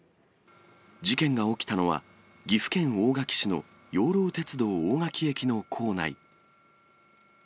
事件が起きたのは、岐阜県大垣市の養老鉄道大垣駅の構内。